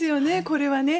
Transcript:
これはね。